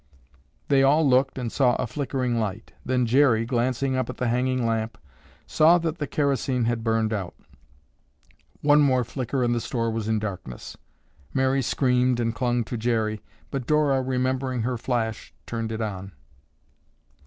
They all looked and saw a flickering light. Then Jerry, glancing up at the hanging lamp, saw that the kerosene had burned out. One more flicker and the store was in darkness. Mary screamed and clung to Jerry, but Dora, remembering her flash, turned it on.